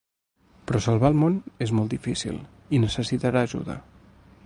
Però salvar el món és molt difícil i necessitarà ajuda.